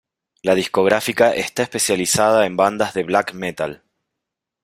La discográfica está especializada en bandas de black metal.